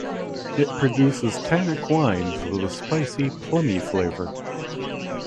It produces tannic wines with a spicy, plummy flavour.